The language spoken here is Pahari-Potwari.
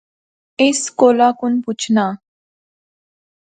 اس کولا کُن پچھنا